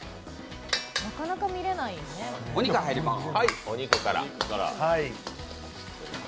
お肉入ります。